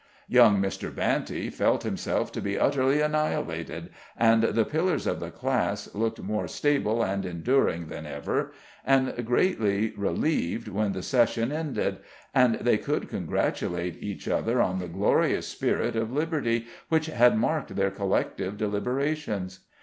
Young Mr. Banty felt himself to be utterly annihilated, and the pillars of the class looked more stable and enduring than ever, and felt greatly relieved when the session ended, and they could congratulate each other on the glorious spirit of liberty which had marked their collective deliberations.